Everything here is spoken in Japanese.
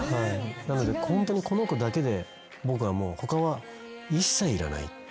ホントにこの子だけで僕はもう他は一切いらない。